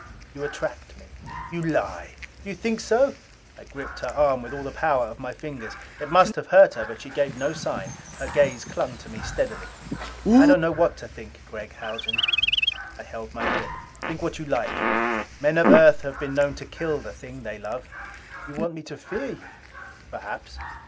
You attract me." "You lie!" "Do you think so?" I gripped her arm with all the power of my fingers. It must have hurt her but she gave no sign; her gaze clung to me steadily. "I don't know what to think, Gregg Haljan...." I held my grip. "Think what you like. Men of Earth have been known to kill the thing they love." "You want me to fear you?" "Perhaps."